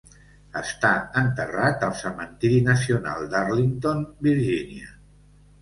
Està enterrat al cementiri nacional d'Arlington, Virgínia.